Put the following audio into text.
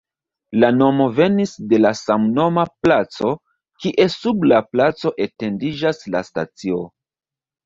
La nomo venis de la samnoma placo, kie sub la placo etendiĝas la stacio.